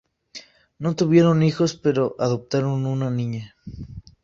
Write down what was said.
No tuvieron hijos pero adoptaron una niña.